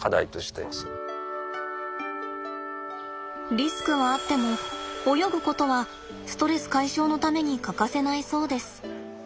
リスクはあっても泳ぐことはストレス解消のために欠かせないそうです。